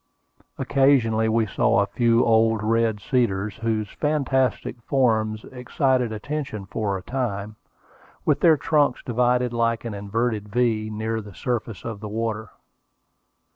Occasionally we saw a few old red cedars, whose fantastic forms excited attention for a time, with their trunks divided like an inverted V, near the surface of the water.